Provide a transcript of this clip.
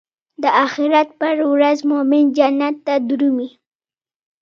د اخرت پر ورځ مومن جنت ته درومي.